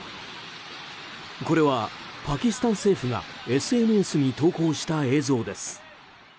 これはパキスタン政府がＳＮＳに投稿した映像です。